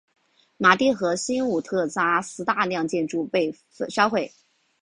马蒂和新武特扎斯大量建筑被烧毁。